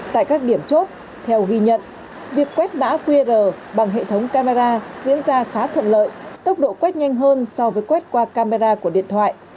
tại các điểm chốt theo ghi nhận việc quét mã qr bằng hệ thống camera diễn ra khá thuận lợi tốc độ quét nhanh hơn so với quét qua camera của điện thoại